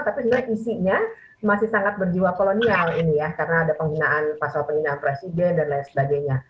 tapi dia isinya masih sangat berjiwa kolonial ini ya karena ada penghinaan pasal penghinaan presiden dan lain sebagainya